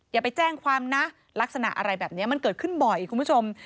อย่าไปแจ้งความนะลักษณะอะไรแบบนี้มันเกิดขึ้นบ่อยคุณผู้ชม